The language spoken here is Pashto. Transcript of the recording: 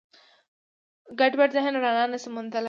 ګډوډ ذهن رڼا نهشي موندلی.